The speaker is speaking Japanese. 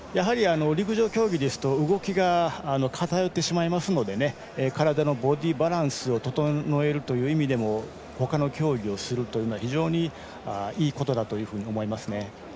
陸上競技ですと動きが偏ってしまいますので体のボディーバランスを整えるという意味でもほかの競技をするというのは非常にいいことだと思いますね。